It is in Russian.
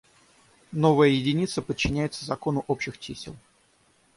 Новая единица подчиняется закону общих чисел.